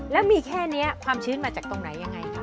แล้วมีแค่นี้ความชื้นมาจากตรงไหนยังไงคะ